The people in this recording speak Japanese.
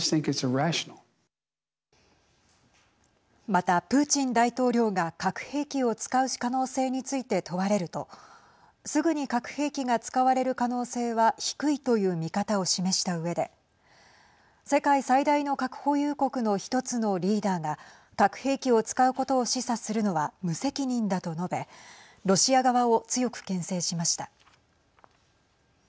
またプーチン大統領が核兵器を使う可能性について問われるとすぐに核兵器が使われる可能性は低いという見方を示したうえで世界最大の核保有国の１つのリーダーが核兵器を使うことを示唆するのは無責任だと述べロシア側を強くけん制しました。